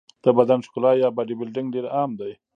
د بدن ښکلا یا باډي بلډینګ ډېر عام دی.